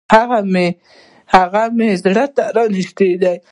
هغه مي زړه ته را نژدې ده .